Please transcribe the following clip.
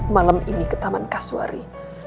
malam ini ke taman kaswari